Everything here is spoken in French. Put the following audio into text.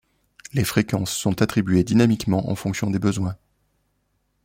Les fréquences sont attribuées dynamiquement en fonction des besoins.